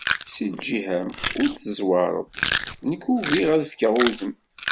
Si lǧiha-m ur d-tezwareḍ, nekk ugiɣ ad fkeɣ udem.